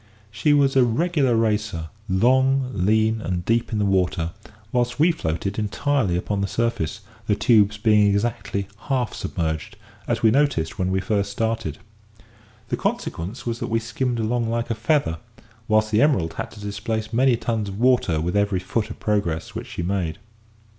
She was a regular racer long, lean, and deep in the water; whilst we floated entirely upon the surface, the tubes being exactly half submerged, as we noticed when we first started. The consequence was that we skimmed along like a feather, whilst the Emerald had to displace many tons of water with every foot of progress which she made.